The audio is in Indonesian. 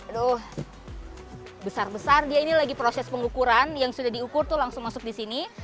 aduh besar besar dia ini lagi proses pengukuran yang sudah diukur tuh langsung masuk di sini